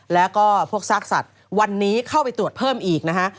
แล้วก็พวกซากสัตว์วันนี้เข้าไปตรวจเพิ่มอีกนะฮะ